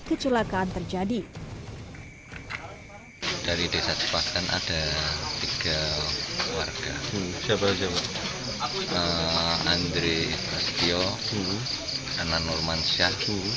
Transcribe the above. kecelakaan terjadi dari desa cepatan ada tiga warga siapa siapa andre mastyo anand nurmansyah